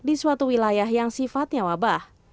di suatu wilayah yang sifatnya wabah